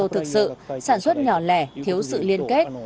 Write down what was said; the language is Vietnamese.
ô tô thực sự sản xuất nhỏ lẻ thiếu sự liên kết